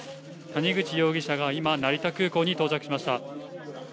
谷口容疑者が今、成田空港に到着しました。